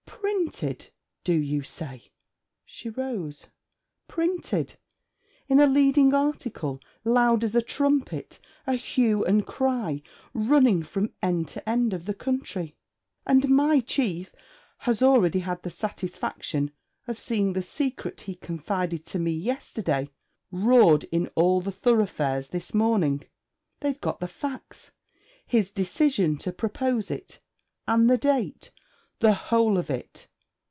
'Printed, do you say?' she rose. 'Printed. In a leading article, loud as a trumpet; a hue and cry running from end to end of the country. And my Chief has already had the satisfaction of seeing the secret he confided to me yesterday roared in all the thoroughfares this morning. They've got the facts: his decision to propose it, and the date the whole of it!